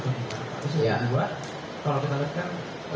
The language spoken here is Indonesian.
terus yang kedua kalau kita lihat kan